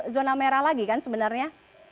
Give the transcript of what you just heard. zona merah lagi kan sebenarnya